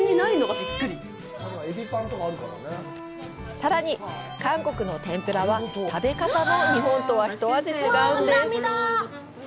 さらに、韓国の天ぷらは、食べ方も日本とは一味違うんです！